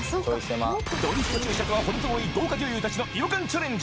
ドリフト駐車とは程遠い豪華女優達の違和感チャレンジ